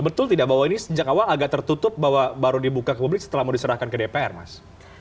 betul tidak bahwa ini sejak awal agak tertutup bahwa baru dibuka ke publik setelah mau diserahkan ke dpr mas